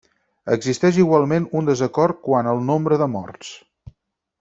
Existeix igualment un desacord quant al nombre de morts.